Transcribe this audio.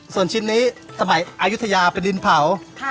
ส่วนชิ้นนี้สมัยอายุทยาเป็นดินเผา